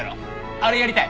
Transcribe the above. あれやりたい。